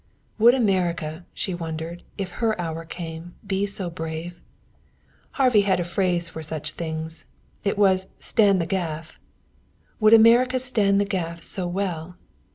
Would America, she wondered, if her hour came, be so brave? Harvey had a phrase for such things. It was "stand the gaff." Would America stand the gaff so well?